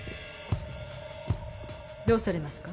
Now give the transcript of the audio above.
どうされますか？